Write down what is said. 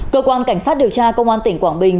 cơ quan cảnh sát điều tra công an tỉnh quảng bình